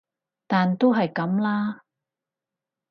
但都係噉啦